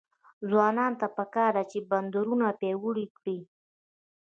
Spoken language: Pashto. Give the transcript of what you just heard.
ځوانانو ته پکار ده چې، بندرونه پیاوړي کړي.